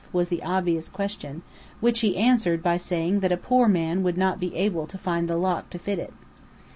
was the obvious question; which he answered by saying that a poor man would not be able to find the lock to fit it.